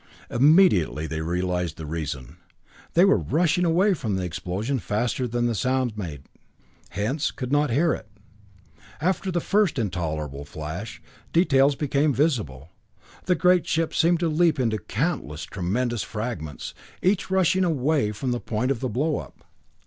Immediately they realized the reason. They were rushing away from the explosion faster than the sound it made, hence could not hear it. After the first intolerable flash, details became visible. The great ship seemed to leap into countless tremendous fragments, each rushing away from the point of the blow up.